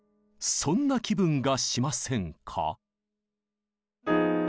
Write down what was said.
そんな気分がしませんか？